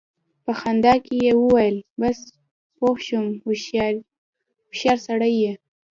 په خندا کې يې وويل: بس! پوه شوم، هوښيار سړی يې!